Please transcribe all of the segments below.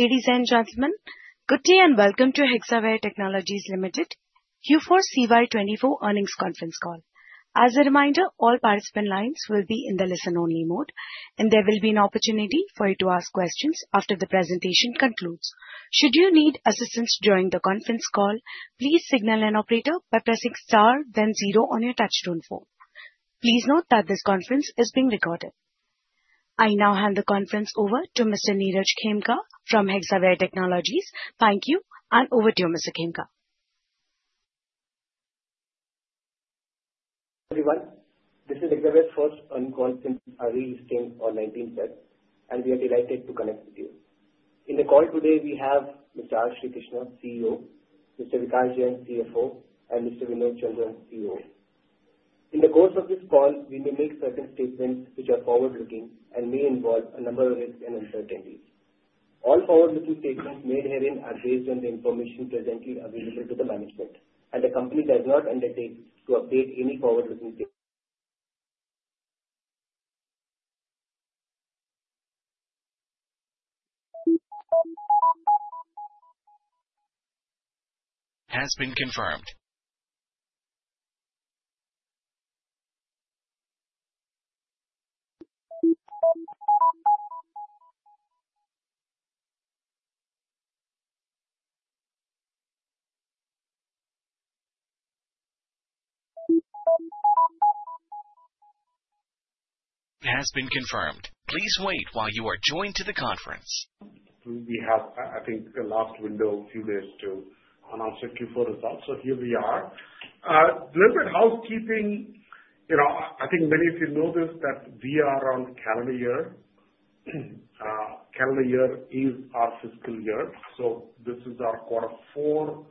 Ladies and gentlemen, good day and welcome to Hexaware Technologies Ltd Q4 CY24 earnings conference call. As a reminder, all participant lines will be in the listen-only mode, and there will be an opportunity for you to ask questions after the presentation concludes. Should you need assistance during the conference call, please signal an operator by pressing star, then zero on your touch-tone phone. Please note that this conference is being recorded. I now hand the conference over to Mr. Niraj Khemka from Hexaware Technologies. Thank you, and over to you, Mr. Khemka. Everyone, this is Hexaware's first earnings conference, a release date on 19th February, and we are delighted to connect with you. In the call today, we have Mr. R. Srikrishna, CEO, Mr. Vikash Jain, CFO, and Mr. Vinod Chandran, COO. In the course of this call, we may make certain statements which are forward-looking and may involve a number of risks and uncertainties. All forward-looking statements made herein are based on the information presently available to the management, and the company does not undertake to update any forward-looking statements. Has been confirmed. Please wait while you are joined to the conference. We have, I think, the last window, a few days to announce the Q4 results, so here we are. A little bit housekeeping, I think many of you know this, that we are on calendar year. Calendar year is our fiscal year, so this is our quarter four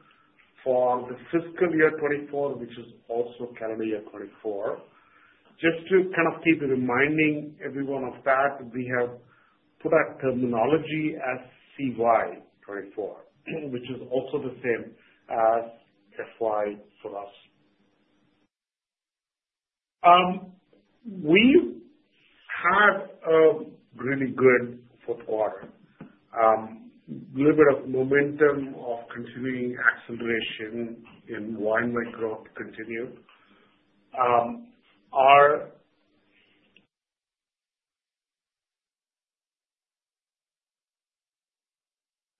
for the fiscal year 2024, which is also calendar year 2024. Just to kind of keep reminding everyone of that, we have put our terminology as CY24, which is also the same as FY for us. We had a really good fourth quarter, a little bit of momentum of continuing acceleration in YoY growth continued. Our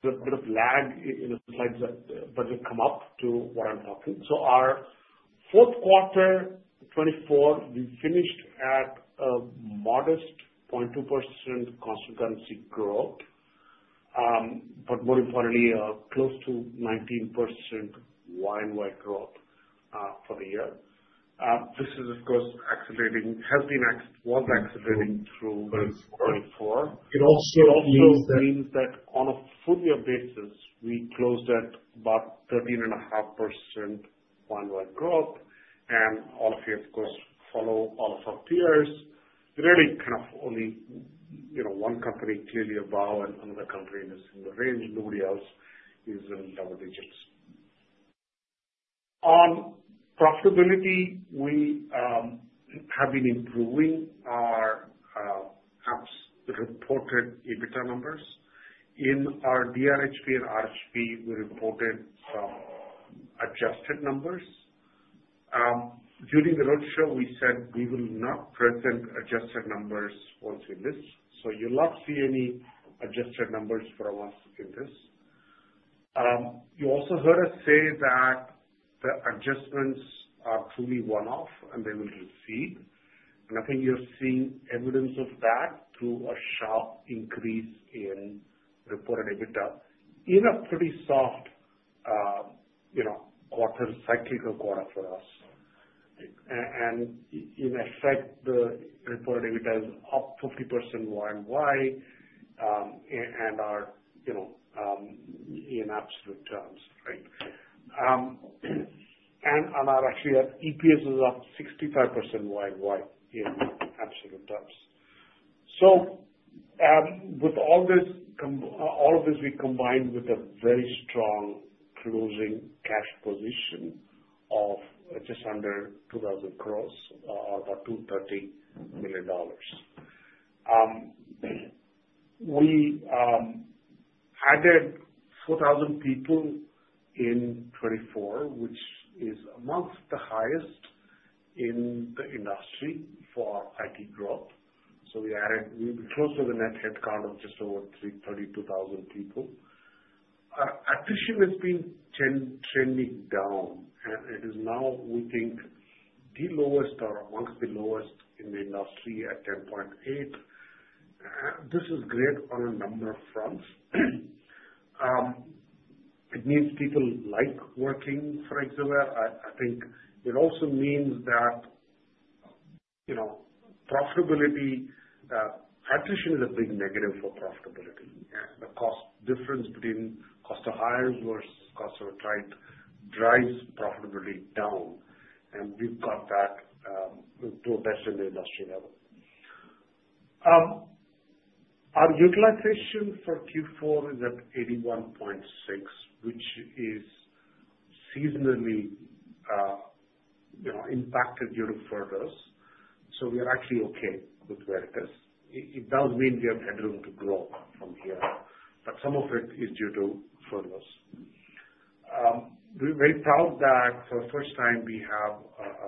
bit of lag in the slides, but it'll come up to what I'm talking. So our fourth quarter 2024, we finished at a modest 0.2% sequential growth, but more importantly, close to 19% YoY growth for the year. This is, of course, accelerating. It has been accelerating through 2024. It also means that on a full-year basis, we closed at about 13.5% Y-Y growth, and all of you, of course, follow all of our peers. Really kind of only one company clearly above, and another company in the same range. Nobody else is in double digits. On profitability, we have been improving our reported EBITDA numbers. In our DRHP and RHP, we reported some adjusted numbers. During the roadshow, we said we will not present adjusted numbers once we list, so you'll not see any adjusted numbers from us in this. You also heard us say that the adjustments are truly one-off, and they will recede, and I think you're seeing evidence of that through a sharp increase in reported EBITDA in a pretty soft quarter, cyclical quarter for us. In effect, the reported EBITDA is up 50% YoY and more in absolute terms, right? Our actual EPS is up 65% YoY in absolute terms. So with all this combined with a very strong closing cash position of just under 2,000 crores or about $230 million. We added 4,000 people in 2024, which is among the highest in the industry for IT growth. So we've been close to the net headcount of just over 32,000 people. Attrition has been trending down, and it is now, we think, the lowest or among the lowest in the industry at 10.8%. This is great on a number of fronts. It means people like working for Hexaware. I think it also means that profitability attrition is a big negative for profitability. The cost difference between cost of hires versus cost of trade drives profitability down, and we've got that to a best in the industry level. Our utilization for Q4 is at 81.6%, which is seasonally impacted due to furloughs, so we are actually okay with where it is. It does mean we have headroom to grow from here, but some of it is due to furloughs. We're very proud that for the first time, we have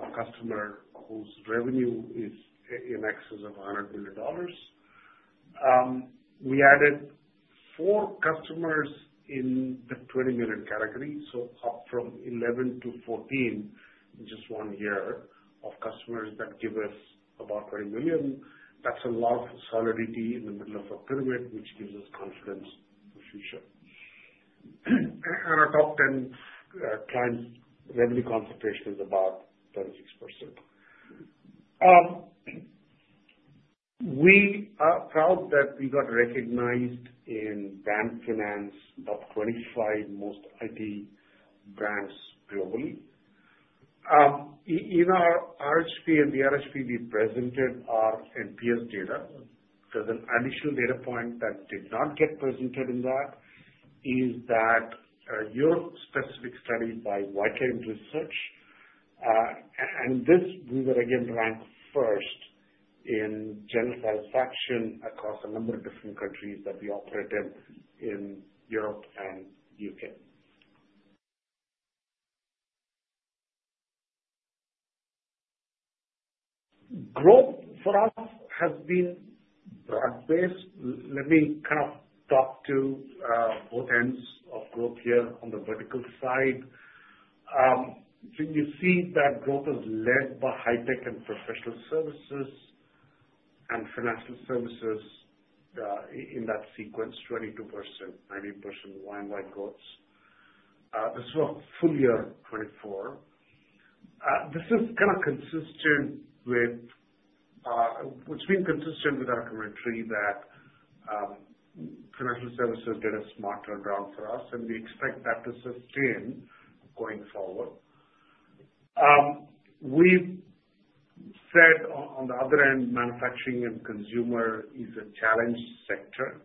a customer whose revenue is in excess of $100 million. We added four customers in the 20 million category, so up from 11 to 14 in just one year of customers that give us about 20 million. That's a lot of solidity in the middle of a pyramid, which gives us confidence for the future, and our top 10 clients' revenue concentration is about 36%. We are proud that we got recognized in Brand Finance, top 25 most IT brands globally. In our RHP and DRHP, we presented our NPS data. There's an additional data point that did not get presented in that is that Europe-specific study by Whitelane Research, and in this, we were again ranked first in general satisfaction across a number of different countries that we operate in, in Europe and the UK. Growth for us has been broad-based. Let me kind of talk to both ends of growth here on the vertical side. You see that growth is led by high-tech and professional services and financial services in that sequence, 22%, 19% YoY growths. This was full year 2024. This is kind of consistent with what's been consistent with our commentary that financial services did a sharp turnaround for us, and we expect that to sustain going forward. We said on the other end, manufacturing and consumer is a challenged sector.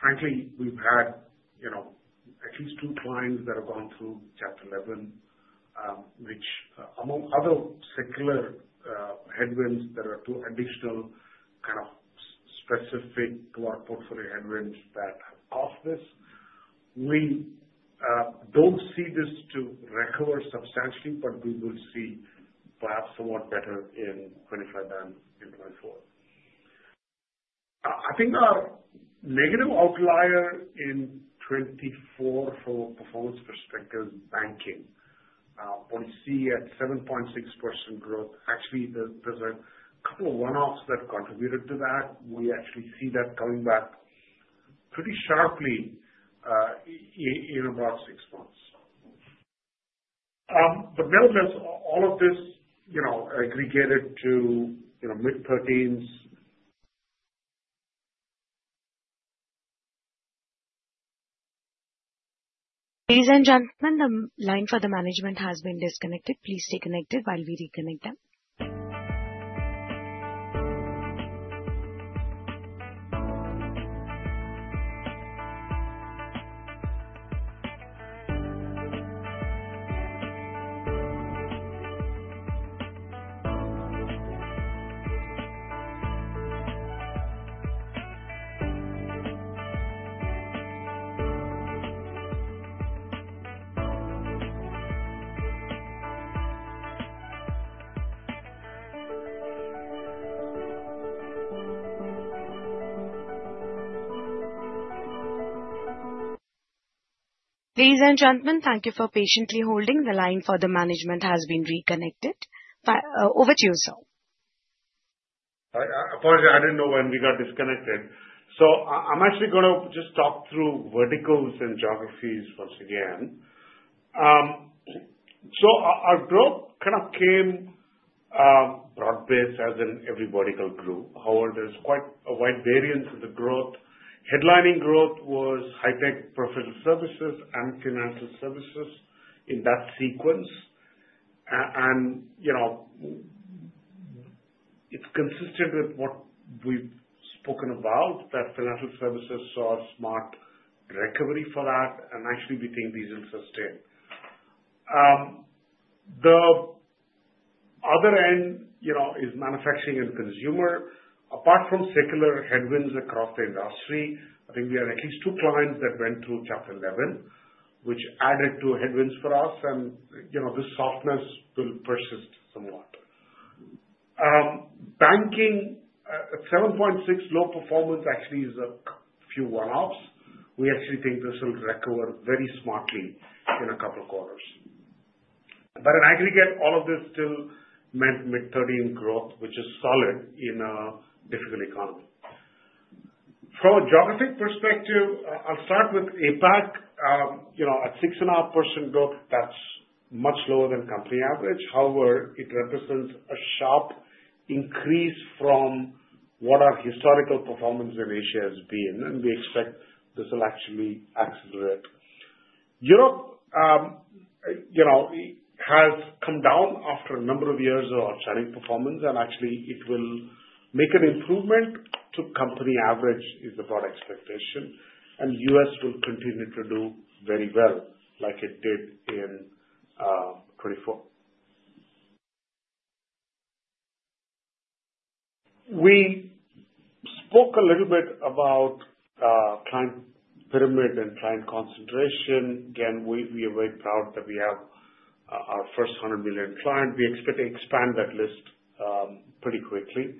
Frankly, we've had at least two clients that have gone through Chapter 11, which among other secular headwinds, there are two additional kind of specific to our portfolio headwinds that have caused this. We don't see this to recover substantially, but we will see perhaps somewhat better in 2025 than in 2024. I think our negative outlier in 2024 from a performance perspective is banking. We see at 7.6% growth. Actually, there's a couple of one-offs that contributed to that. We actually see that coming back pretty sharply in about six months. But nevertheless, all of this aggregated to mid-13s. Ladies and gentlemen, the line for the management has been disconnected. Please stay connected while we reconnect them. Ladies and gentlemen, thank you for patiently holding. The line for the management has been reconnected. Over to you, sir. Apology, I didn't know when we got disconnected. So I'm actually going to just talk through verticals and geographies once again. So our growth kind of came broad-based as in every vertical grew. However, there's quite a wide variance in the growth. Headlining growth was high-tech professional services and financial services in that sequence. And it's consistent with what we've spoken about, that financial services saw a smart recovery for that, and actually, we think these will sustain. The other end is manufacturing and consumer. Apart from secular headwinds across the industry, I think we had at least two clients that went through Chapter 11, which added to headwinds for us, and this softness will persist somewhat. Banking, 7.6 low performance actually is a few one-offs. We actually think this will recover very smartly in a couple of quarters. But in aggregate, all of this still meant mid-13% growth, which is solid in a difficult economy. From a geographic perspective, I'll start with APAC. At 6.5% growth, that's much lower than company average. However, it represents a sharp increase from what our historical performance in Asia has been, and we expect this will actually accelerate. Europe has come down after a number of years of challenged performance, and actually, it will make an improvement to company average, is the broad expectation. And the U.S. will continue to do very well like it did in 2024. We spoke a little bit about client pyramid and client concentration. Again, we are very proud that we have our first $100 million client. We expect to expand that list pretty quickly,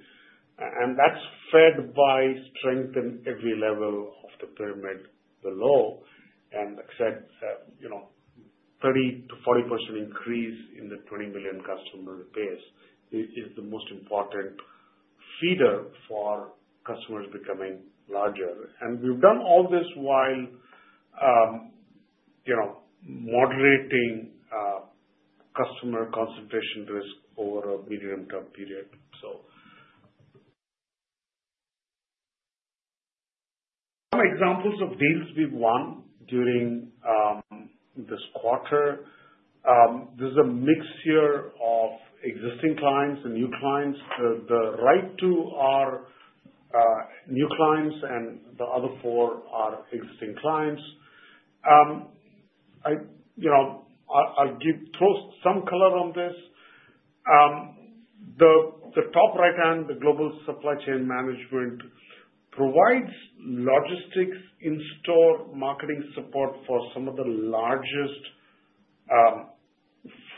and that's fed by strength in every level of the pyramid below. Like I said, 30%-40% increase in the 20 million customer base is the most important feeder for customers becoming larger. We've done all this while moderating customer concentration risk over a medium-term period, so. Some examples of deals we've won during this quarter. This is a mixture of existing clients and new clients. The right two are new clients, and the other four are existing clients. I'll give some color on this. The top right hand, the global supply chain management, provides logistics, in-store marketing support for some of the largest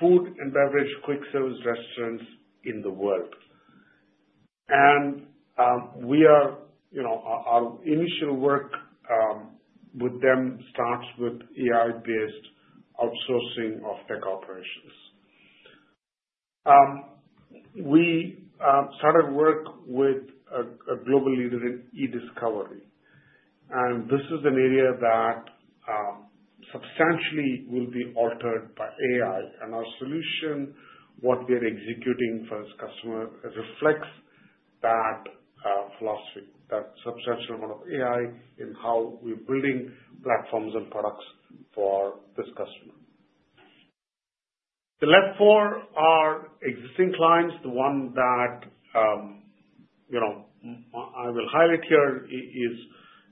food and beverage quick service restaurants in the world. Our initial work with them starts with AI-based outsourcing of tech operations. We started work with a global leader in e-discovery, and this is an area that substantially will be altered by AI. Our solution, what we are executing for this customer, reflects that philosophy, that substantial amount of AI in how we're building platforms and products for this customer. The last four are existing clients. The one that I will highlight here is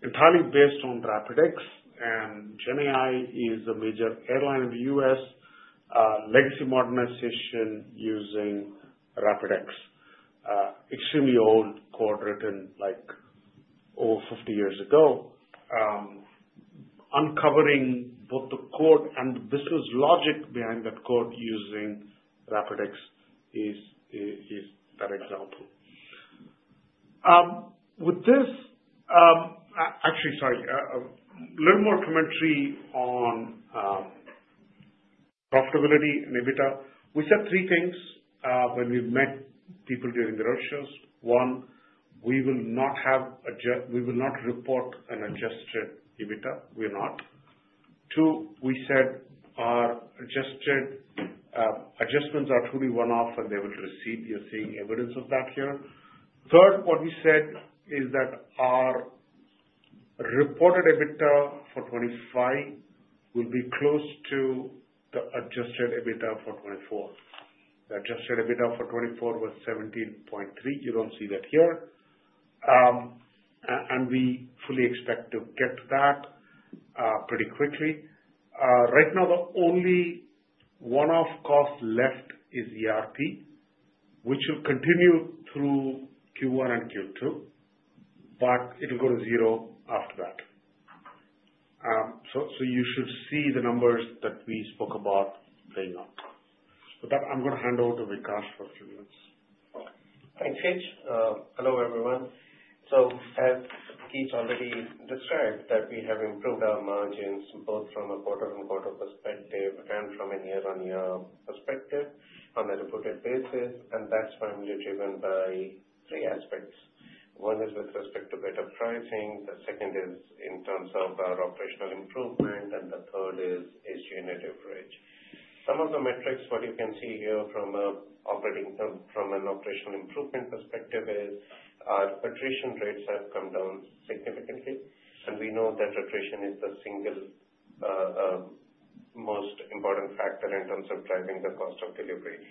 entirely based on RapidX, and GenAI is a major airline in the U.S., legacy modernization using RapidX. Extremely old code written like over 50 years ago. Uncovering both the code and the business logic behind that code using RapidX is that example. With this, actually, sorry, a little more commentary on profitability and EBITDA. We said three things when we met people during the roadshows. One, we will not report an adjusted EBITDA. We're not. Two, we said our adjustments are truly one-off, and they will receive. You're seeing evidence of that here. Third, what we said is that our reported EBITDA for 2025 will be close to the adjusted EBITDA for 2024. The adjusted EBITDA for 2024 was 17.3. You don't see that here, and we fully expect to get to that pretty quickly. Right now, the only one-off cost left is ERP, which will continue through Q1 and Q2, but it'll go to zero after that. So you should see the numbers that we spoke about playing out. With that, I'm going to hand over to Vikas for a few minutes. Thanks, Keech. Hello, everyone. So as Keech already described, we have improved our margins both from a quarter-on-quarter perspective and from a year-on-year perspective on a reported basis. And that's primarily driven by three aspects. One is with respect to better pricing. The second is in terms of our operational improvement, and the third is unit average. Some of the metrics that you can see here from an operational improvement perspective is our attrition rates have come down significantly, and we know that attrition is the single most important factor in terms of driving the cost of delivery.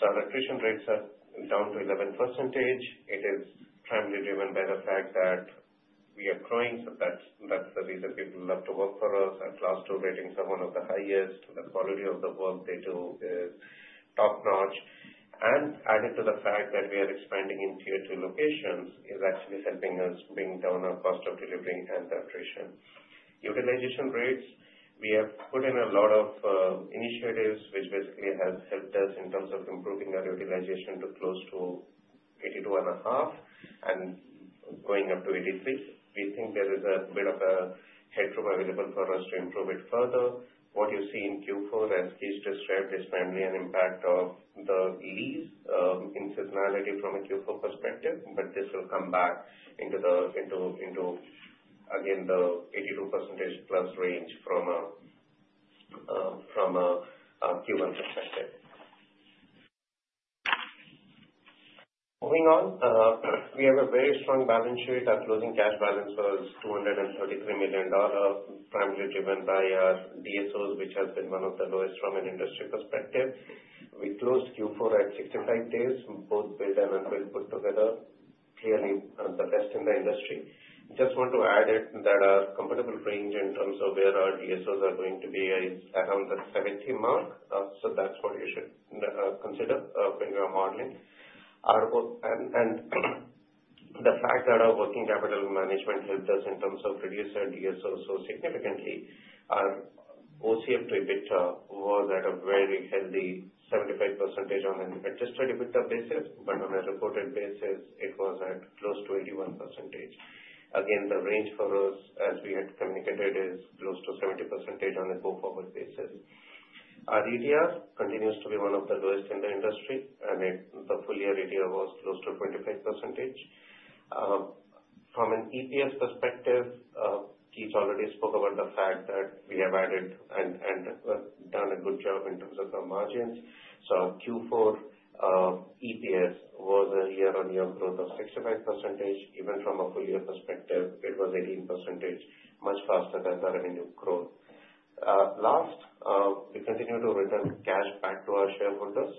So our attrition rates are down to 11%. It is primarily driven by the fact that we are growing, so that's the reason people love to work for us. Our class two ratings are one of the highest. The quality of the work they do is top-notch. Added to the fact that we are expanding into two locations is actually helping us bring down our cost of delivery and attrition. Utilization rates, we have put in a lot of initiatives which basically have helped us in terms of improving our utilization to close to 82.5% and going up to 83%. We think there is a bit of a headroom available for us to improve it further. What you see in Q4, as Keech described, is primarily an impact of the lull in seasonality from a Q4 perspective, but this will come back into, again, the 82% plus range from a Q1 perspective. Moving on, we have a very strong balance sheet. Our closing cash balance was $233 million, primarily driven by our DSOs, which has been one of the lowest from an industry perspective. We closed Q4 at 65 days, both billed and unbilled put together, clearly the best in the industry. Just want to add that our comparable range in terms of where our DSOs are going to be is around the 70 mark, so that's what you should consider when you're modeling, and the fact that our working capital management helped us in terms of reducing our DSOs so significantly, our OCF to EBITDA was at a very healthy 75% on an adjusted EBITDA basis, but on a reported basis, it was at close to 81%. Again, the range for us, as we had communicated, is close to 70% on a go-forward basis. Our ETR continues to be one of the lowest in the industry, and the full year ETR was close to 25%. From an EPS perspective, Keech already spoke about the fact that we have added and done a good job in terms of our margins. So our Q4 EPS was a year-on-year growth of 65%. Even from a full year perspective, it was 18%, much faster than the revenue growth. Lastly, we continue to return cash back to our shareholders.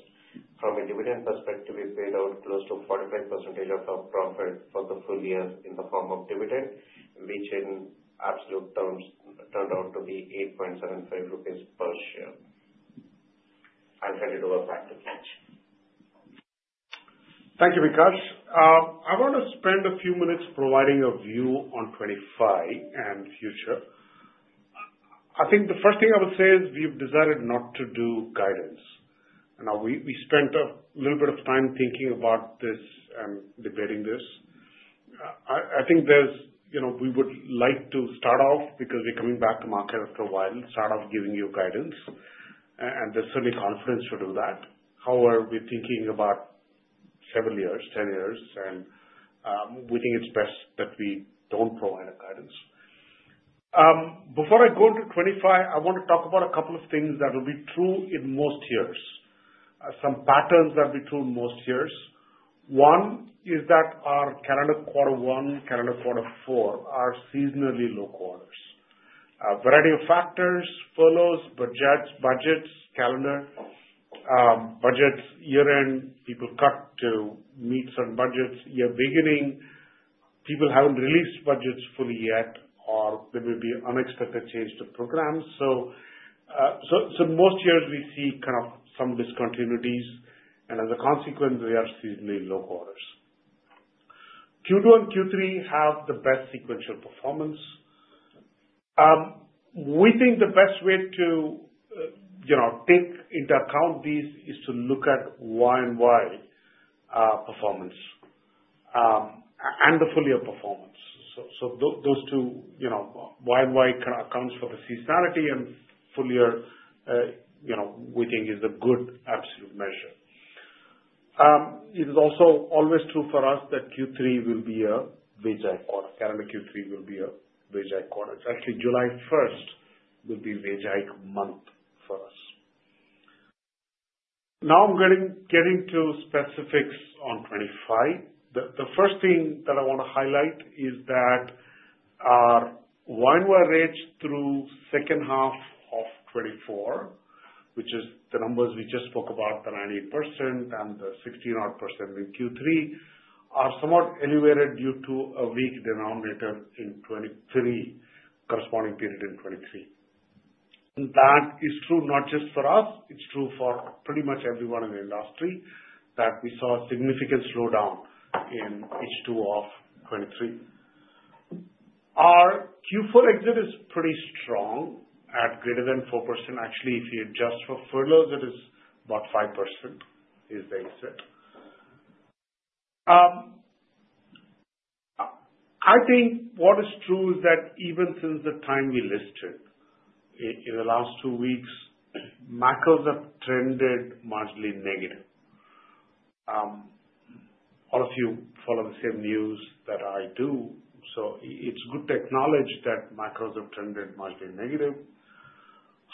From a dividend perspective, we paid out close to 45% of our profit for the full year in the form of dividend, which in absolute terms turned out to be 8.75 rupees per share. I'll hand it over back to Keech. Thank you, Vikas. I want to spend a few minutes providing a view on 2025 and future. I think the first thing I would say is we've decided not to do guidance. Now, we spent a little bit of time thinking about this and debating this. I think we would like to start off because we're coming back to market after a while, start off giving you guidance, and there's certainly confidence to do that. However, we're thinking about several years, 10 years, and we think it's best that we don't provide guidance. Before I go into 2025, I want to talk about a couple of things that will be true in most years, some patterns that will be true in most years. One is that our calendar quarter one, calendar quarter four are seasonally low quarters. A variety of factors: furloughs, budgets, calendar budgets, year-end, people cut to meet certain budgets. Year beginning, people haven't released budgets fully yet, or there may be unexpected change to programs. So in most years, we see kind of some discontinuities, and as a consequence, we are seasonally low quarters. Q2 and Q3 have the best sequential performance. We think the best way to take into account these is to look at Y and Y performance and the full year performance. So those two, Y and Y kind of accounts for the seasonality, and full year, we think, is a good absolute measure. It is also always true for us that Q3 will be a weak-like quarter. Calendar Q3 will be a weak-like quarter. Actually, July 1st will be a weak-like month for us. Now I'm getting to specifics on 2025. The first thing that I want to highlight is that our Y and Y rates through second half of 2024, which is the numbers we just spoke about, the 98% and the 16.0% in Q3, are somewhat elevated due to a weak denominator in 2023, corresponding period in 2023. That is true not just for us. It's true for pretty much everyone in the industry that we saw a significant slowdown in H2 of 2023. Our Q4 exit is pretty strong at greater than 4%. Actually, if you adjust for furloughs, it is about 5%, is the exit. I think what is true is that even since the time we listed in the last two weeks, macros have trended marginally negative. All of you follow the same news that I do, so it's good to acknowledge that macros have trended marginally negative.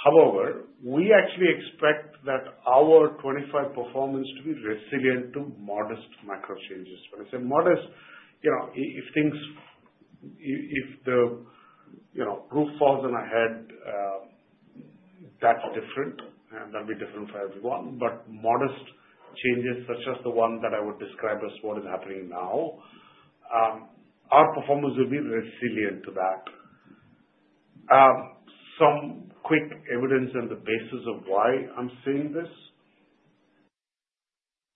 However, we actually expect that our 2025 performance to be resilient to modest macro changes. When I say modest, if the roof falls on our head, that's different, and that'll be different for everyone. But modest changes, such as the one that I would describe as what is happening now, our performance will be resilient to that. Some quick evidence on the basis of why I'm saying this: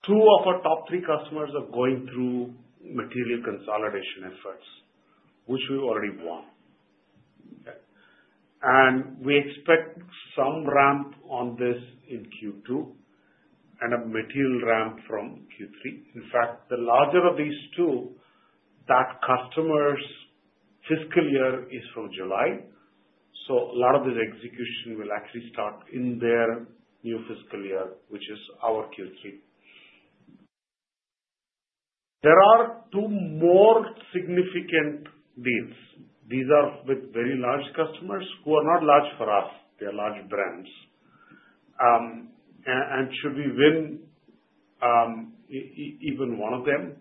two of our top three customers are going through material consolidation efforts, which we've already won, and we expect some ramp on this in Q2 and a material ramp from Q3. In fact, the larger of these two, that customer's fiscal year is from July, so a lot of this execution will actually start in their new fiscal year, which is our Q3. There are two more significant deals. These are with very large customers who are not large for us. They are large brands. And should we win even one of them,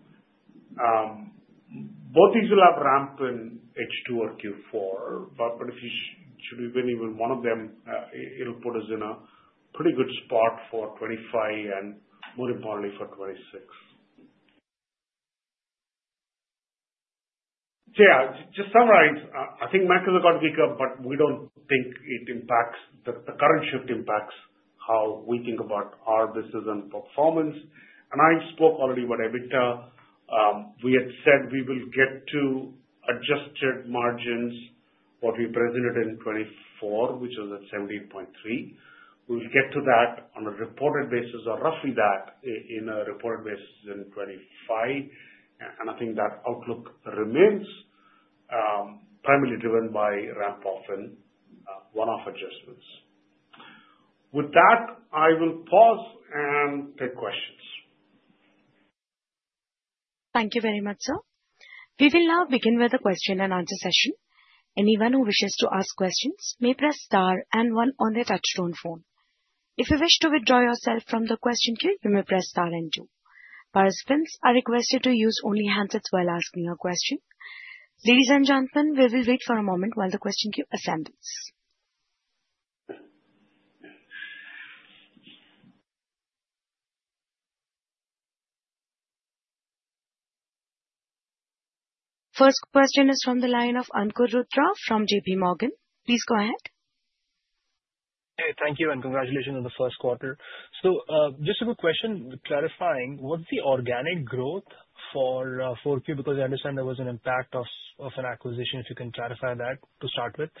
both these will have ramp in H2 or Q4, but if we win even one of them, it'll put us in a pretty good spot for 2025 and, more importantly, for 2026. Yeah. To summarize, I think macros are going to pick up, but we don't think it impacts the current shift impacts how we think about our business and performance. And I spoke already about EBITDA. We had said we will get to adjusted margins what we presented in 2024, which was at 17.3%. We will get to that on a reported basis or roughly that in a reported basis in 2025, and I think that outlook remains primarily driven by ramp-off and one-off adjustments. With that, I will pause and take questions. Thank you very much, sir. We will now begin with the question and answer session. Anyone who wishes to ask questions may press star and one on the touch-tone phone. If you wish to withdraw yourself from the question queue, you may press star and two. Participants are requested to use only handsets while asking a question. Ladies and gentlemen, we will wait for a moment while the question queue assembles. First question is from the line of Ankur Rudra from JPMorgan. Please go ahead. Hey, thank you, and congratulations on the first quarter. So just a quick question, clarifying, what's the organic growth for Q2? Because I understand there was an impact of an acquisition, if you can clarify that to start with.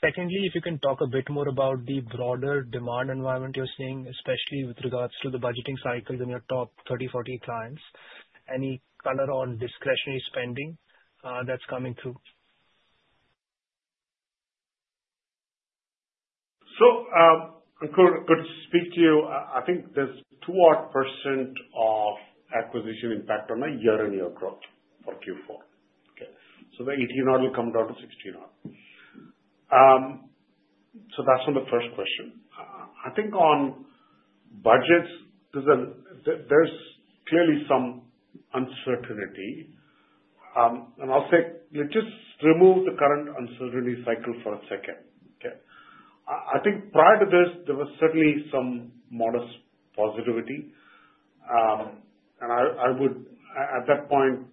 Secondly, if you can talk a bit more about the broader demand environment you're seeing, especially with regards to the budgeting cycle in your top 30-40 clients. Any color on discretionary spending that's coming through? So Ankur, good to speak to you. I think there's a 2-odd% of acquisition impact on a year-on-year growth for Q4. Okay. So the 18-odd will come down to 16-odd. So that's from the first question. I think on budgets, there's clearly some uncertainty. And I'll say, let's just remove the current uncertainty cycle for a second. Okay. I think prior to this, there was certainly some modest positivity. And I would, at that point,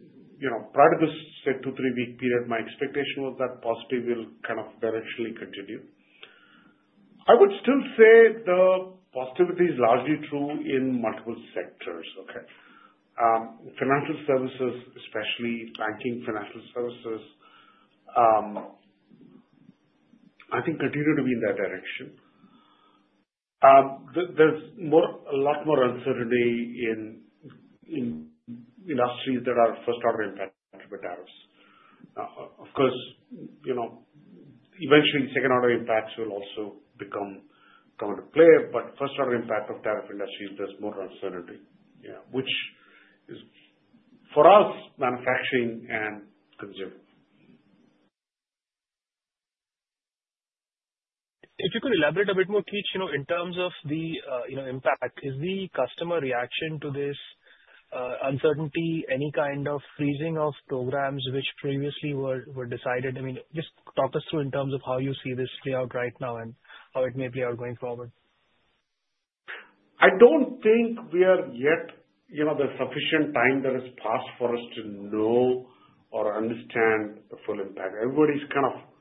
prior to this two- to three-week period, my expectation was that positive will kind of directionally continue. I would still say the positivity is largely true in multiple sectors. Okay. Financial services, especially banking financial services, I think continue to be in that direction. There's a lot more uncertainty in industries that are first-order impacted by tariffs. Of course, eventually, second-order impacts will also become into play, but first-order impact of tariff industries, there's more uncertainty, which is for us, manufacturing and consumer. If you could elaborate a bit more, Keech, in terms of the impact, is the customer reaction to this uncertainty any kind of freezing of programs which previously were decided? I mean, just talk us through in terms of how you see this play out right now and how it may play out going forward. I don't think we are yet the sufficient time that has passed for us to know or understand the full impact. Everybody's kind of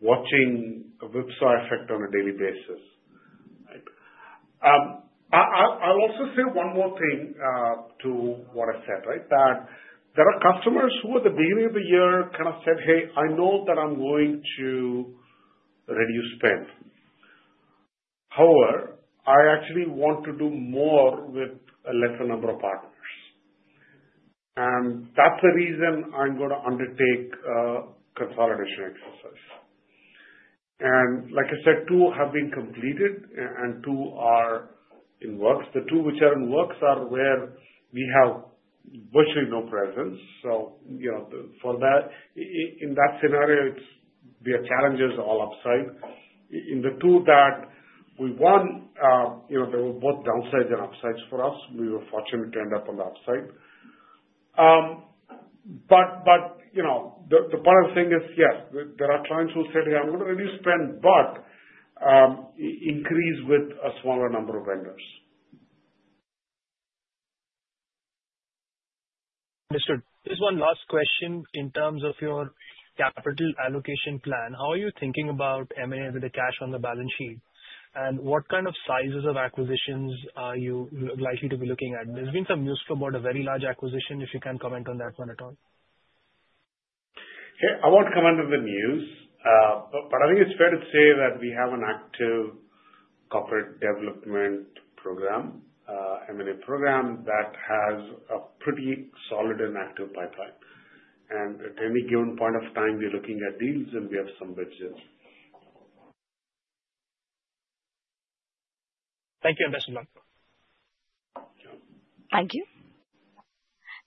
watching a whipsaw effect on a daily basis. I'll also say one more thing to what I said, right? That there are customers who at the beginning of the year kind of said, "Hey, I know that I'm going to reduce spend. However, I actually want to do more with a lesser number of partners." And that's the reason I'm going to undertake a consolidation exercise. And like I said, two have been completed, and two are in works. The two which are in works are where we have virtually no presence. So for that, in that scenario, there are challenges all upside. In the two that we won, there were both downsides and upsides for us. We were fortunate to end up on the upside. But the part of the thing is, yes, there are clients who said, "Hey, I'm going to reduce spend, but increase with a smaller number of vendors. Understood. Just one last question in terms of your capital allocation plan. How are you thinking about M&A with the cash on the balance sheet? And what kind of sizes of acquisitions are you likely to be looking at? There's been some news about a very large acquisition. If you can comment on that one at all. Yeah. I won't comment on the news, but I think it's fair to say that we have an active corporate development program, M&A program that has a pretty solid and active pipeline. And at any given point of time, we're looking at deals, and we have some widgets. Thank you, Ambassador. Thank you.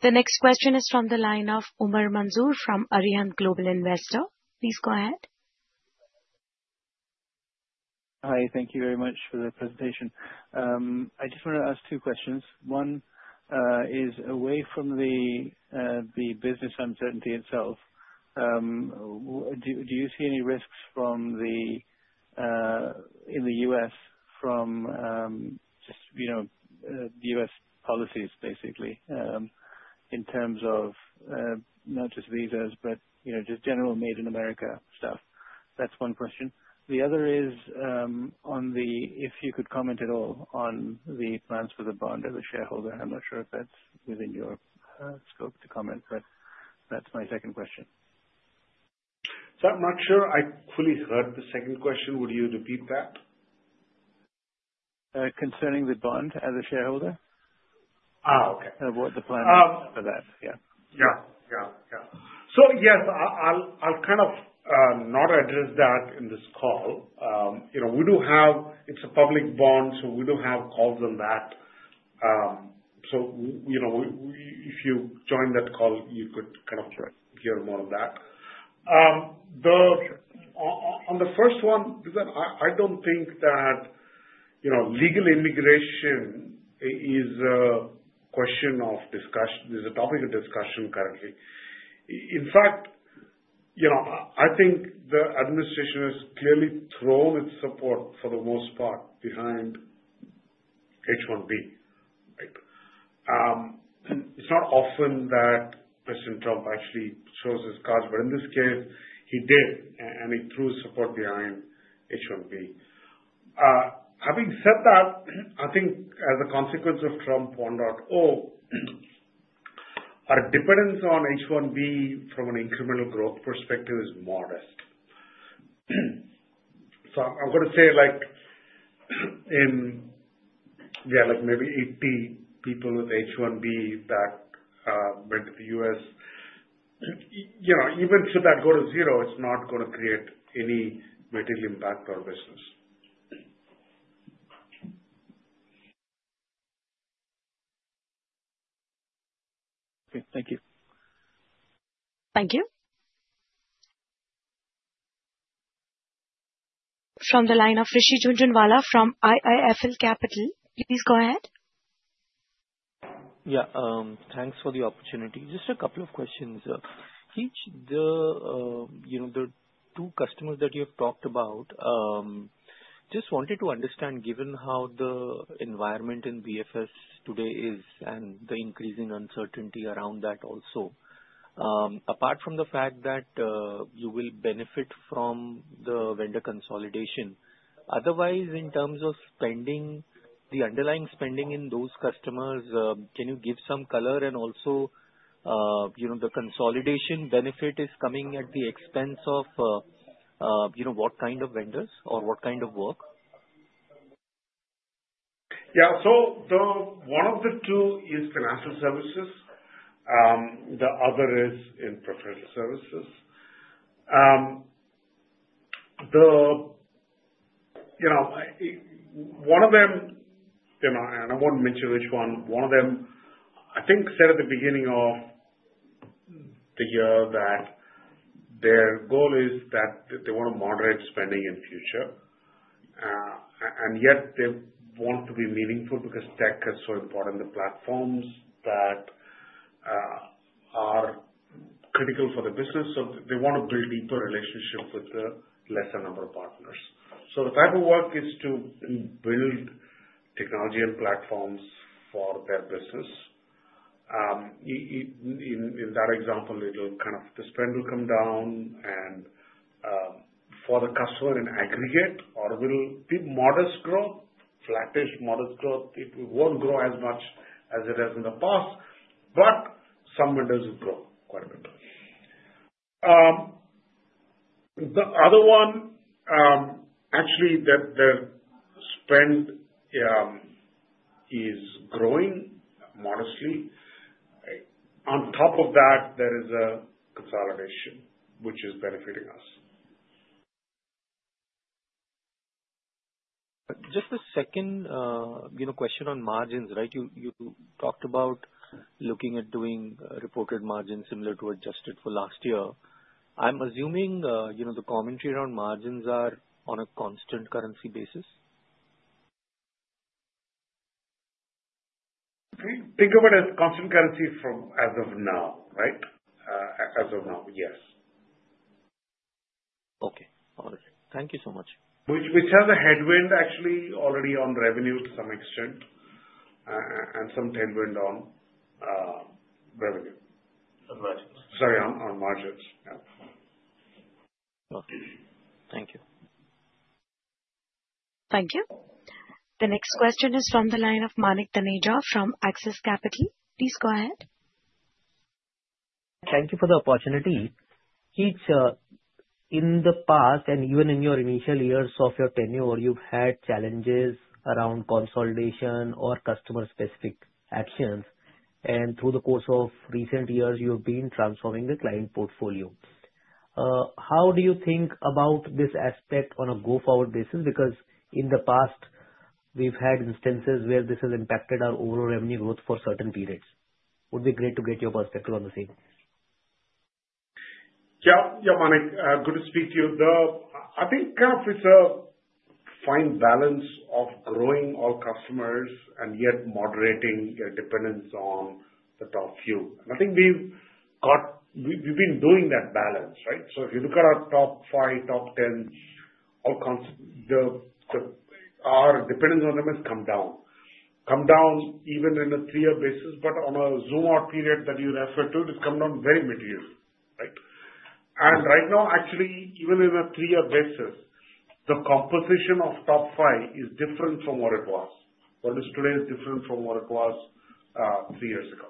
The next question is from the line of Umar Manzoor from Arihant Capital. Please go ahead. Hi. Thank you very much for the presentation. I just want to ask two questions. One is away from the business uncertainty itself, do you see any risks in the US from just the US policies, basically, in terms of not just visas, but just general made-in-America stuff? That's one question. The other is on the if you could comment at all on the plans for the bond as a shareholder. I'm not sure if that's within your scope to comment, but that's my second question. So I'm not sure I fully heard the second question. Would you repeat that? Concerning the bond as a shareholder? okay. About the plan for that. Yeah. Yeah. Yeah. Yeah. So yes, I'll kind of not address that in this call. We do have it's a public bond, so we do have calls on that. So if you join that call, you could kind of hear more of that. On the first one, I don't think that legal immigration is a question of discussion. There's a topic of discussion currently. In fact, I think the administration has clearly thrown its support for the most part behind H-1B. It's not often that President Trump actually shows his cards, but in this case, he did, and he threw his support behind H-1B. Having said that, I think as a consequence of Trump 1.0, our dependence on H-1B from an incremental growth perspective is modest. So I'm going to say, yeah, maybe 80 people with H-1B that went to the U.S. Even should that go to zero, it's not going to create any material impact on business. Okay. Thank you. Thank you. From the line of Rishi Jhunjhunwala from IIFL Securities. Please go ahead. Yeah. Thanks for the opportunity. Just a couple of questions. Keech, the two customers that you have talked about, just wanted to understand, given how the environment in BFS today is and the increasing uncertainty around that also, apart from the fact that you will benefit from the vendor consolidation, otherwise, in terms of spending, the underlying spending in those customers, can you give some color? And also, the consolidation benefit is coming at the expense of what kind of vendors or what kind of work? Yeah. So one of the two is financial services. The other is in professional services. One of them, and I won't mention which one, one of them, I think said at the beginning of the year that their goal is that they want to moderate spending in the future. And yet, they want to be meaningful because tech is so important, the platforms that are critical for the business. So they want to build deeper relationships with a lesser number of partners. So the type of work is to build technology and platforms for their business. In that example, kind of the spend will come down for the customer in aggregate, or it will be modest growth, flattish modest growth. It won't grow as much as it has in the past, but some vendors will grow quite a bit. The other one, actually, their spend is growing modestly. On top of that, there is a consolidation, which is benefiting us. Just a second question on margins, right? You talked about looking at doing reported margins similar to adjusted for last year. I'm assuming the commentary around margins are on a constant currency basis. Think of it as constant currency as of now, right? As of now, yes. Okay. All right. Thank you so much. Which has a headwind actually already on revenue to some extent and some headwind on revenue. Sorry, on margins. Yeah. Okay. Thank you. Thank you. The next question is from the line of Manik Taneja from Axis Capital. Please go ahead. Thank you for the opportunity. Keech, in the past and even in your initial years of your tenure, you've had challenges around consolidation or customer-specific actions. And through the course of recent years, you have been transforming the client portfolio. How do you think about this aspect on a go-forward basis? Because in the past, we've had instances where this has impacted our overall revenue growth for certain periods. It would be great to get your perspective on the same. Yeah. Yeah, Manik. Good to speak to you. I think kind of it's a fine balance of growing all customers and yet moderating your dependence on the top few. And I think we've been doing that balance, right? So if you look at our top five, top 10, our dependence on them has come down. Come down even in a three-year basis, but on a zoom-out period that you refer to, it has come down very materially, right? And right now, actually, even in a three-year basis, the composition of top five is different from what it was. What is today is different from what it was three years ago.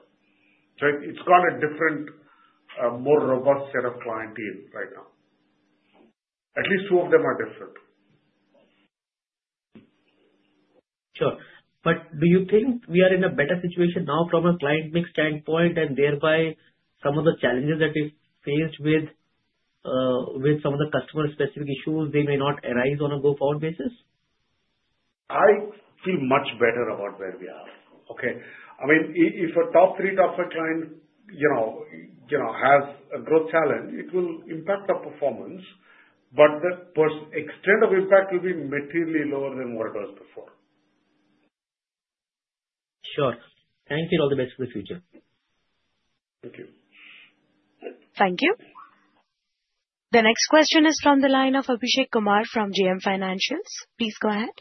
So it's got a different, more robust set of clientele right now. At least two of them are different. Sure, but do you think we are in a better situation now from a client mix standpoint, and thereby some of the challenges that we've faced with some of the customer-specific issues, they may not arise on a go-forward basis? I feel much better about where we are. Okay. I mean, if a top three top-5 client has a growth challenge, it will impact our performance, but the extent of impact will be materially lower than what it was before. Sure. Thank you. All the best for the future. Thank you. Thank you. The next question is from the line of Abhishek Kumar from JM Financial. Please go ahead.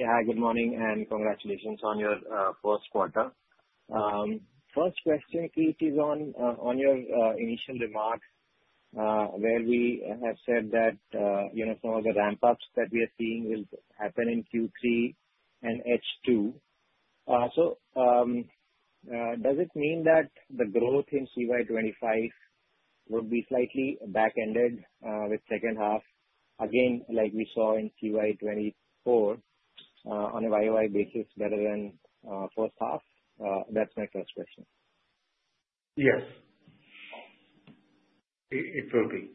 Yeah. Hi. Good morning and congratulations on your first quarter. First question, Keech, is on your initial remarks where we have said that some of the ramp-ups that we are seeing will happen in Q3 and H2. So does it mean that the growth in CY25 will be slightly back-ended with second half, again, like we saw in CY24 on a YY basis better than first half? That's my first question. Yes. It will be.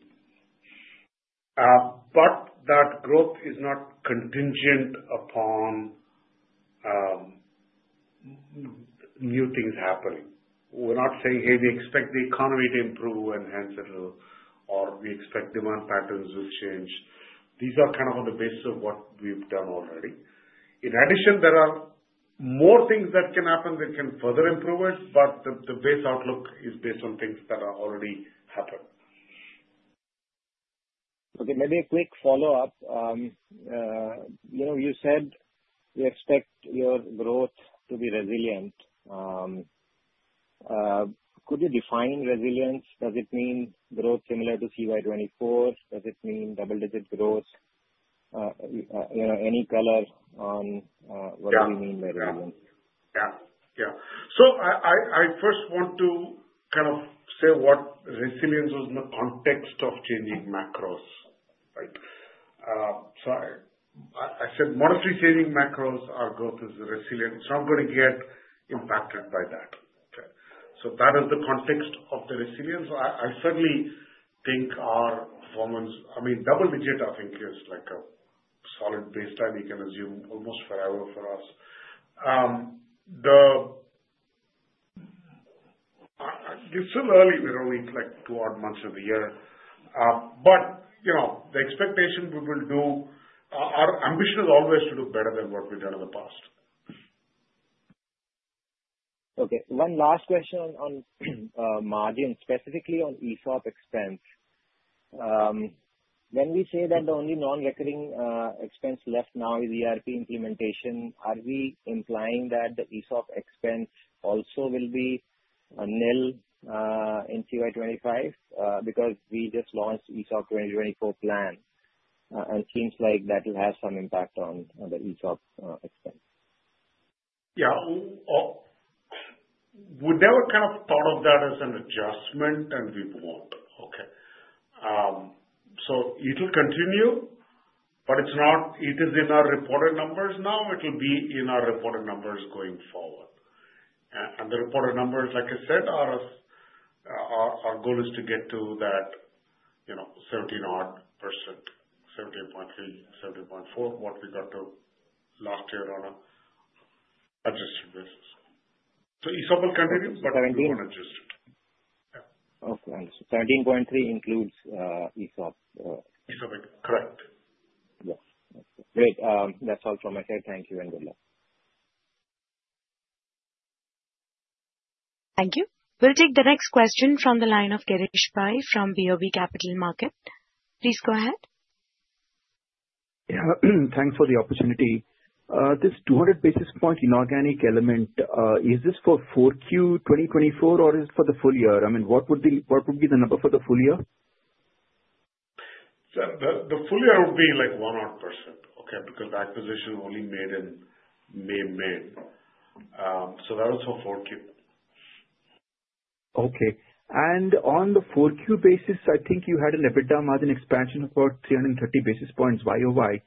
But that growth is not contingent upon new things happening. We're not saying, "Hey, we expect the economy to improve and hence it will," or, "We expect demand patterns will change." These are kind of on the basis of what we've done already. In addition, there are more things that can happen that can further improve it, but the base outlook is based on things that have already happened. Okay. Maybe a quick follow-up. You said you expect your growth to be resilient. Could you define resilience? Does it mean growth similar to CY24? Does it mean double-digit growth? Any color on what do you mean by resilience? So I first want to kind of say what resilience is in the context of changing macros, right? So I said modestly changing macros, our growth is resilient. It's not going to get impacted by that, okay? So that is the context of the resilience. I certainly think our performance, I mean, double-digit, I think, is like a solid baseline you can assume almost forever for us. It's still early. We're only like two-odd months of the year. But the expectation we will do, our ambition is always to do better than what we've done in the past. Okay. One last question on margin, specifically on ESOP expense. When we say that the only non-recurring expense left now is ERP implementation, are we implying that the ESOP expense also will be nil in CY25 because we just launched ESOP 2024 plan? And it seems like that will have some impact on the ESOP expense. Yeah. We never kind of thought of that as an adjustment, and we won't. Okay. So it will continue, but it is in our reported numbers now. It will be in our reported numbers going forward, and the reported numbers, like I said, our goal is to get to that 17-odd %, 17.3%, 17.4%, what we got to last year on an adjusted basis. So ESOP will continue, but it will be on an adjusted. Okay. Understood. 17.3 includes ESOP. ESOP. Correct. Yeah. Okay. Great. That's all from my side. Thank you and good luck. Thank you. We'll take the next question from the line of Girish Pai from BOB Capital Markets. Please go ahead. Yeah. Thanks for the opportunity. This 200 basis points inorganic element, is this for 4Q 2024, or is it for the full year? I mean, what would be the number for the full year? The full year would be like one-odd%, okay, because the acquisition only made in May. So that was for 4Q. Okay. And on the 4Q basis, I think you had an EBITDA margin expansion of about 330 basis points YOY.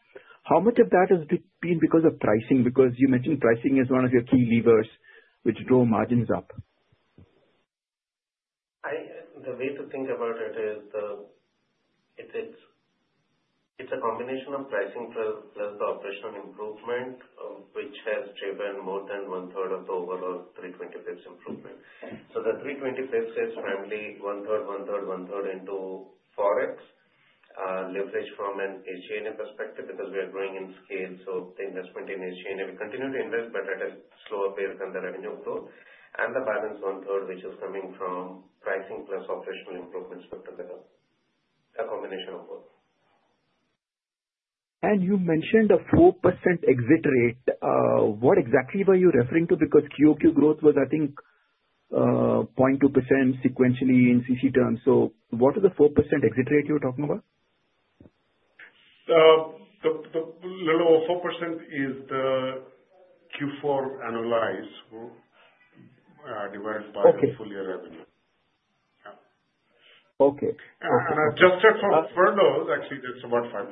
How much of that has been because of pricing? Because you mentioned pricing is one of your key levers which drove margins up. The way to think about it is it's a combination of pricing plus the operational improvement, which has driven more than one-third of the overall 32.5% improvement. The 32.5% is currently one-third, one-third, one-third due to forex leverage from an SG&A perspective because we are growing in scale. The investment in SG&A, we continue to invest, but at a slower pace than the revenue growth. The balance one-third, which is coming from pricing plus operational improvements. It's the combination of both. You mentioned a 4% exit rate. What exactly were you referring to? Because QOQ growth was, I think, 0.2% sequentially in CC terms. What is the 4% exit rate you're talking about? The little over 4% is the Q4 annualized divided by the full year revenue. Yeah. Okay. Adjusted for furloughs, actually, that's about 5%.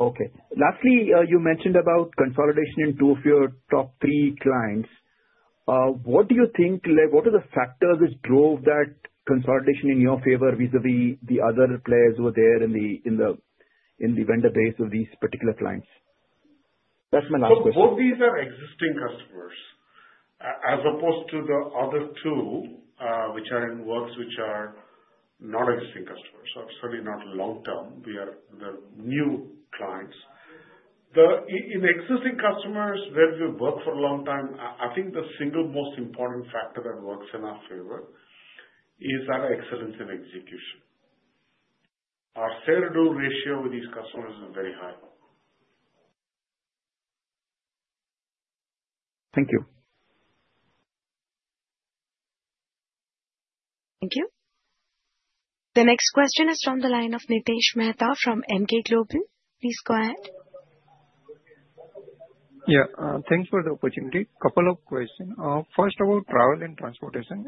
Yeah. Okay. Lastly, you mentioned about consolidation in two of your top three clients. What do you think are the factors which drove that consolidation in your favor vis-à-vis the other players who were there in the vendor base of these particular clients? That's my last question. So both these are existing customers as opposed to the other two, which are in works, which are non-existing customers. So certainly not long-term. They're new clients. In existing customers where we've worked for a long time, I think the single most important factor that works in our favor is our excellence in execution. Our fair-to-do ratio with these customers is very high. Thank you. Thank you. The next question is from the line of Dipesh Mehta from Emkay Global. Please go ahead. Yeah. Thanks for the opportunity. Couple of questions. First, about travel and transportation.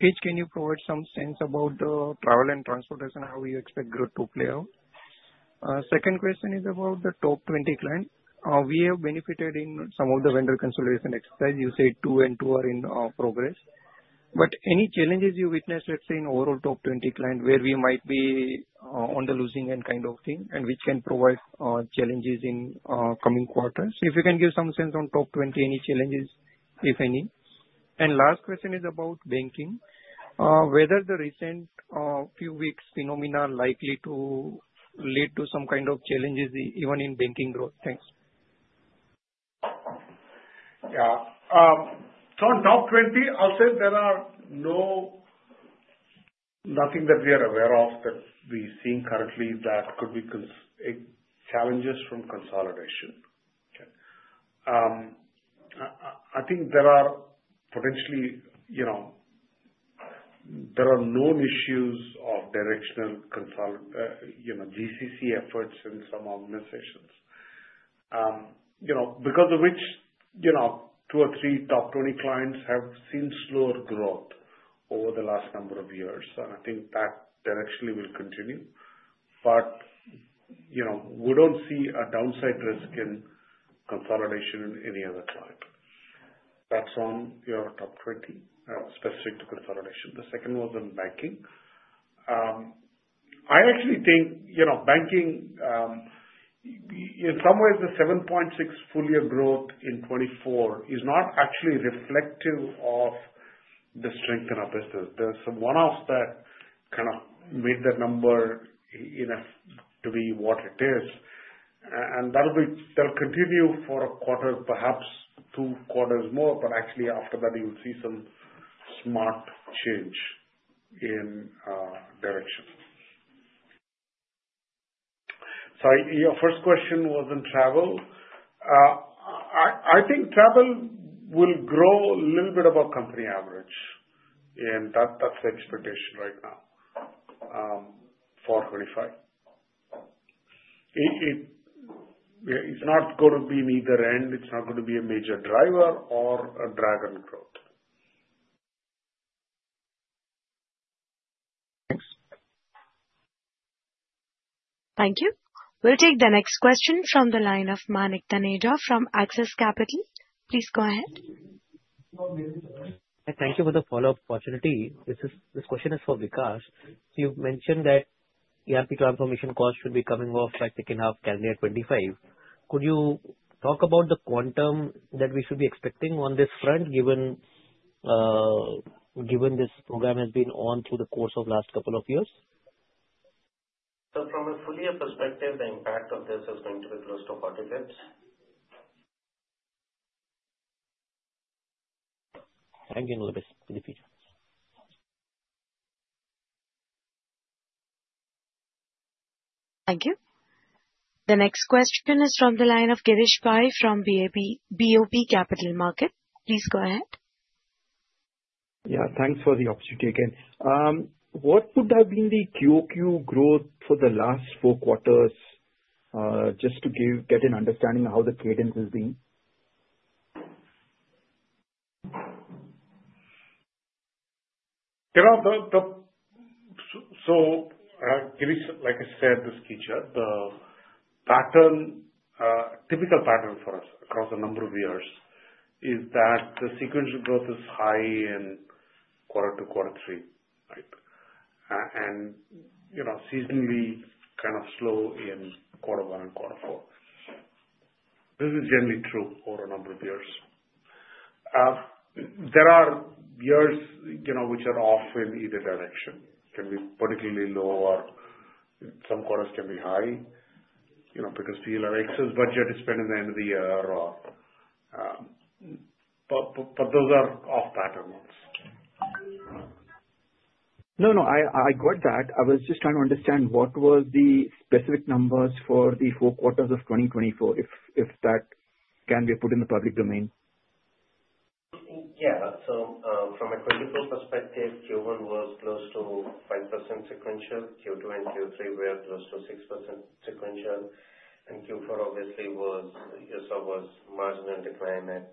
Keech, can you provide some sense about the travel and transportation, how you expect growth to play out? Second question is about the top 20 clients. We have benefited in some of the vendor consolidation exercise. You said two and two are in progress. But any challenges you witnessed, let's say, in overall top 20 clients where we might be on the losing end kind of thing and which can provide challenges in coming quarters? If you can give some sense on top 20, any challenges, if any. And last question is about banking. Whether the recent few weeks' phenomena are likely to lead to some kind of challenges even in banking growth? Thanks. Yeah. So on top 20, I'll say there are nothing that we are aware of that we're seeing currently that could be challenges from consolidation. Okay. I think there are potentially known issues of directional GCC efforts in some organizations because of which two or three top 20 clients have seen slower growth over the last number of years. And I think that directionally will continue. But we don't see a downside risk in consolidation in any other client. That's on your top 20 specific to consolidation. The second one's on banking. I actually think banking, in some ways, the 7.6 full-year growth in 2024 is not actually reflective of the strength in our business. There's some one-offs that kind of made that number enough to be what it is. And that'll continue for a quarter, perhaps two quarters more. Actually, after that, you'll see some smart change in direction. Sorry. Your first question was on travel. I think travel will grow a little bit above company average. And that's the expectation right now for 2025. It's not going to be neither end. It's not going to be a major driver or a drag on growth. Thanks. Thank you. We'll take the next question from the line of Manik Taneja from Axis Capital. Please go ahead. Thank you for the follow-up opportunity. This question is for Vikas. You've mentioned that ERP transformation costs should be coming off by second half, January 2025. Could you talk about the quantum that we should be expecting on this front given this program has been on through the course of the last couple of years? So from a full-year perspective, the impact of this is going to be close to $0.40. Thank you. No worries. In the future. Thank you. The next question is from the line of Girish Pai from BOB Capital Markets. Please go ahead. Yeah. Thanks for the opportunity again. What would have been the QOQ growth for the last four quarters just to get an understanding of how the cadence has been? So like I said, this feature, the typical pattern for us across a number of years is that the sequential growth is high in quarter two, quarter three, right, and seasonally kind of slow in quarter one and quarter four. This is generally true over a number of years. There are years which are off in either direction. Can be particularly low or some quarters can be high because the excess budget is spent at the end of the year. But those are off-pattern ones. No, no. I got that. I was just trying to understand what were the specific numbers for the four quarters of 2024, if that can be put in the public domain? Yeah. From a quarterly perspective, Q1 was close to 5% sequential. Q2 and Q3 were close to 6% sequential. And Q4, obviously, you saw was marginal decline at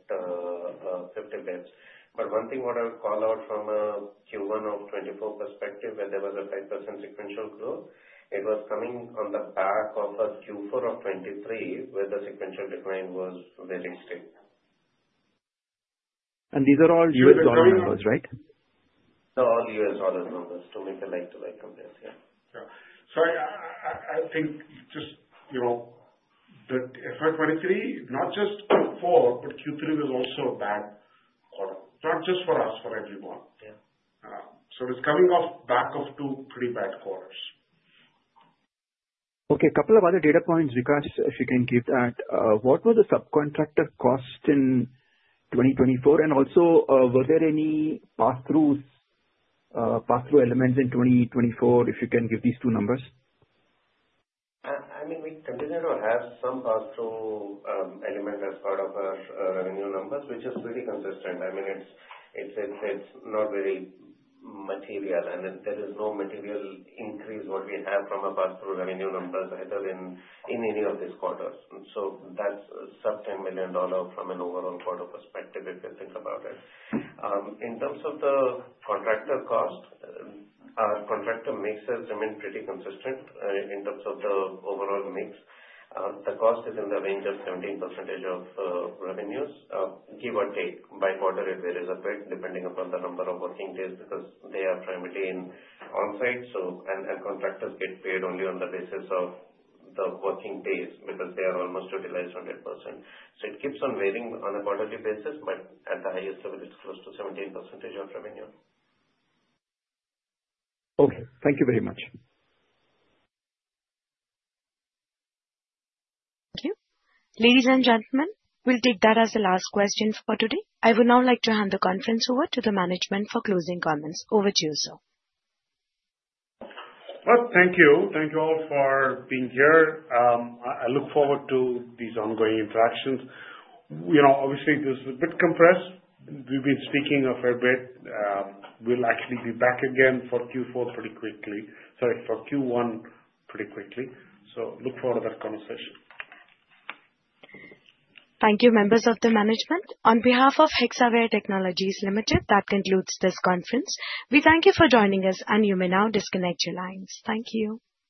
50 basis points. But one thing what I would call out from a Q1 of 2024 perspective where there was a 5% sequential growth, it was coming on the back of a Q4 of 2023 where the sequential decline was very steep. These are all U.S. dollar numbers, right? They're all U.S. dollar numbers to make a like-to-like comparison. Yeah. So I think just the FY 2023, not just Q4, but Q3 was also a bad quarter, not just for us, for everyone. So it's coming off back of two pretty bad quarters. Okay. A couple of other data points, Vikas, if you can give that. What were the subcontractor costs in 2024? And also, were there any pass-through elements in 2024, if you can give these two numbers? I mean, we continue to have some pass-through element as part of our revenue numbers, which is pretty consistent. I mean, it's not very material. And there is no material increase what we have from our pass-through revenue numbers either in any of these quarters. So that's sub-$10 million from an overall quarter perspective if you think about it. In terms of the contractor cost, our contractor mix has remained pretty consistent in terms of the overall mix. The cost is in the range of 17% of revenues, give or take. By quarter, it varies a bit depending upon the number of working days because they are primarily on-site. And contractors get paid only on the basis of the working days because they are almost utilized 100%. So it keeps on varying on a quarterly basis, but at the highest level, it's close to 17% of revenue. Okay. Thank you very much. Thank you. Ladies and gentlemen, we'll take that as the last question for today. I would now like to hand the conference over to the management for closing comments. Over to you, sir. Thank you. Thank you all for being here. I look forward to these ongoing interactions. Obviously, this is a bit compressed. We've been speaking a fair bit. We'll actually be back again for Q4 pretty quickly. Sorry, for Q1 pretty quickly. So look forward to that conversation. Thank you, members of the management. On behalf of Hexaware Technologies Ltd, that concludes this conference. We thank you for joining us, and you may now disconnect your lines. Thank you.